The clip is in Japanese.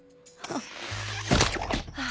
あっ！